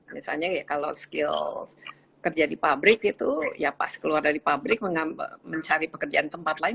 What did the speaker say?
misalnya ya kalau skill kerja di pabrik itu ya pas keluar dari pabrik mencari pekerjaan tempat lain